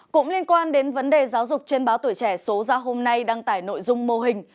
cũng liên quan đến vấn đề giáo dục trên báo tuổi trẻ số ra hôm nay đăng tải nội dung mô hình